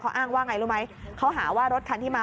อ้างว่าไงรู้ไหมเขาหาว่ารถคันที่มา